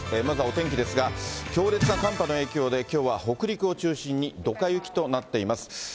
まずはお天気ですが、強烈な寒波の影響で、きょうは北陸を中心にどか雪となっています。